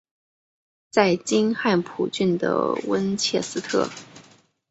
在今汉普郡的温切斯特。